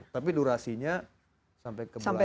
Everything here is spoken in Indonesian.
tapi durasinya sampai ke bulan